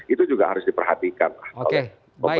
itu juga harus diperhatikan oleh pemerintah